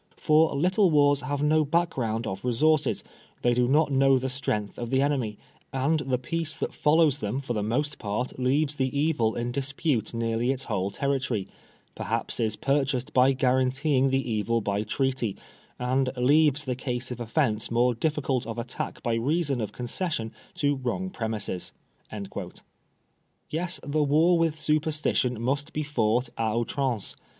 For little wars have no background of resources, they do not know tiie strength of the enemy, and the peace that follows them for the most part leaves the evil in dispute nearly its whole terri tory ; perhaps is purchased by guaranteeing the evil by treaty ; and leaves the case of offence more difficult of attack by reason of concession to wrong premises." * Yes, the war with Superstition must be fought d ouiramce.